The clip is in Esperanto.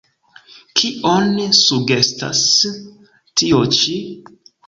Kion sugestas tio ĉi?